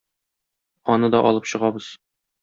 Аны да алып чыгабыз.